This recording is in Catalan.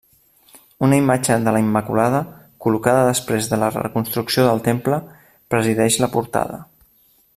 Una imatge de la Immaculada, col·locada després de la reconstrucció del temple, presideix la portada.